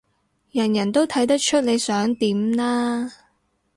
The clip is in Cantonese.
人人都睇得出你想點啦